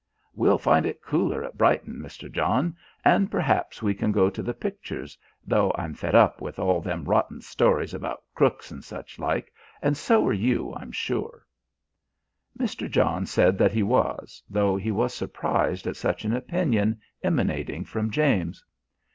We'll find it cooler at Brighton, Mr. John, and perhaps we can go to the pictures, though I'm fed up with all them rotten stories about crooks and such like, and so are you, I'm sure." Mr. John said that he was, though he was surprised at such an opinion emanating from James.